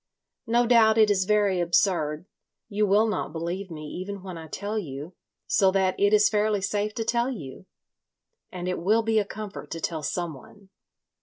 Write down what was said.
"No doubt it is very absurd. You will not believe me even when I tell you, so that it is fairly safe to tell you. And it will be a comfort to tell someone.